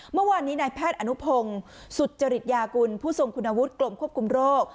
เมื่อวานนี้นายแพทย์อนุพงศ์สุจริตยากุลผู้ทรงคุณวุฒิกรมควบคุมโรค